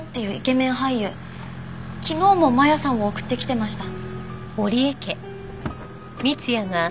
昨日も真弥さんを送ってきてました。